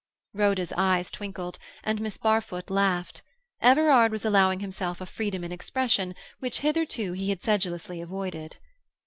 Rhoda's eyes twinkled, and Miss Barfoot laughed. Everard was allowing himself a freedom in expression which hitherto he had sedulously avoided.